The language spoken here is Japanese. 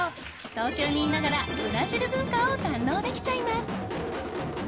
東京にいながら、ブラジル文化を堪能できちゃいます。